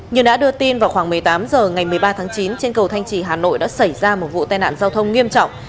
như đã đưa tin vào khoảng một mươi tám h ngày một mươi ba tháng chín trên cầu thanh trì hà nội đã xảy ra một vụ tai nạn giao thông nghiêm trọng